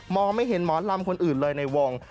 ไม่เห็นหมอลำคนอื่นเลยในวง